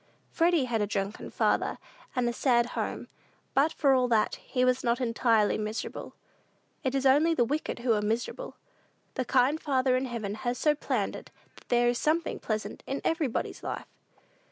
Freddy had a drunken father, and a sad home; but, for all that, he was not entirely miserable. It is only the wicked who are miserable. The kind Father in heaven has so planned it that there is something pleasant in everybody's life.